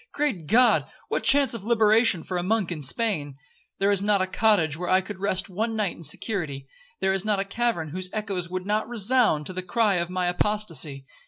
Great God! what chance of liberation for a monk in Spain? There is not a cottage where I could rest one night in security—there is not a cavern whose echoes would not resound to the cry of my apostacy.